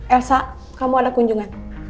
elsa kamu ada kunjungan